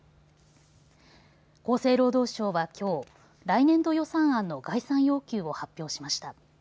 厚生労働省はきょう、来年度予算案の概算要求を発表しました。